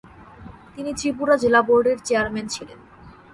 তিনি ত্রিপুরা জেলা বোর্ডের চেয়ারম্যান ছিলেন।